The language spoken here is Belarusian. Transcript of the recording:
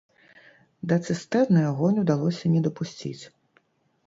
Да цыстэрны агонь удалося не дапусціць.